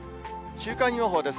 週間予報です。